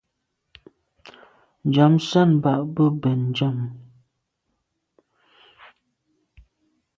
Njam sèn bag be bèn njam.